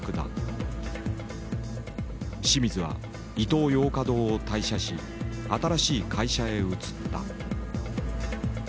清水はイトーヨーカ堂を退社し新しい会社へ移った。